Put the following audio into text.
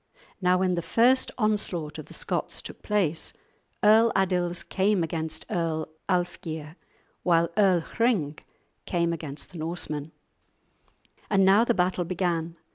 Now when the first onslaught of the Scots took place, Earl Adils came against Earl Alfgeir, while Earl Hring came against the Norsemen. And now the battle began.